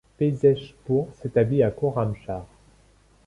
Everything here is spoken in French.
Pezeshkpour s'établit à Khorramshahr.